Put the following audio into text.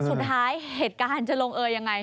สุดท้ายเหตุการณ์จะลงเอยังไง